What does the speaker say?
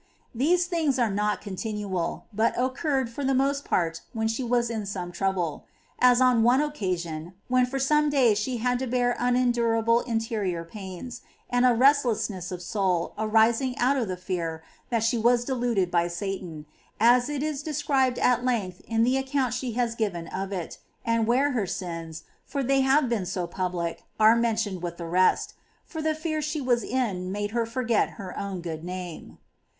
These things were not continual, but occurred for the most part when she was in some trouble : as on one occasion, when for some days she had to bear unendurable interior pains, and a restless ness of soul arising out of the fear that she was deluded by Satan, as it is described at length in the account she has given of it,^ and where her sins, for they have been so public, are mentioned with the rest ; for the fear she was in made her forget her own good name.